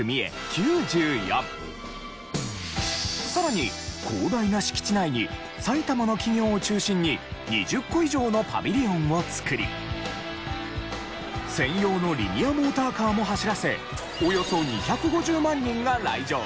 さらに広大な敷地内に埼玉の企業を中心に２０個以上のパビリオンを造り専用のリニアモーターカーも走らせおよそ２５０万人が来場。